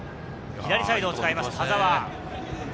左サイドを使います、田澤。